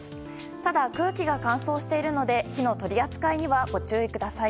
ただ、空気が乾燥しているので火の取り扱いにはご注意ください。